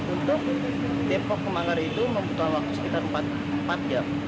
untuk depok ke manggar itu membutuhkan waktu sekitar empat jam